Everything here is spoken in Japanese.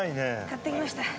買ってきました。